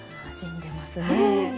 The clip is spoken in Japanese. なじんでますね。